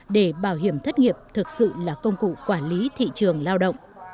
để bảo hiểm thất nghiệp thực sự là công cụ quản lý thị trường lao động